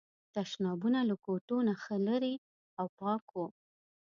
تشنابونه له کوټو نه ښه لرې او پاک وو.